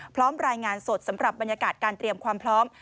พร้อมรายงานสดสำหรับบรรยากาศการเตรียมความพร้อม